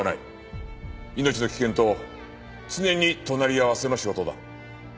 命の危険と常に隣り合わせの仕事だ。